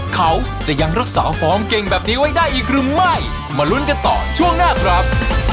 เขาจะยังรักษาฟอร์มเก่งแบบนี้ไว้ได้อีกหรือไม่มาลุ้นกันต่อช่วงหน้าครับ